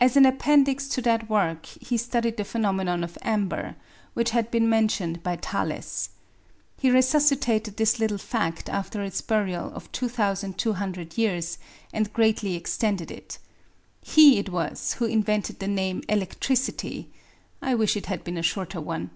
As an appendix to that work he studied the phenomenon of amber, which had been mentioned by Thales. He resuscitated this little fact after its burial of 2,200 years, and greatly extended it. He it was who invented the name electricity I wish it had been a shorter one.